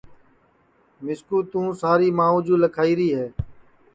مِسکُو توں ساری مانٚو جُو لکھائیری ہے